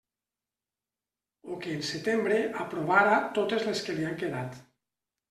O que en setembre aprovara totes les que li han quedat.